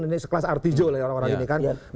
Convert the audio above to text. ini sekelas artijo lah orang orang ini kan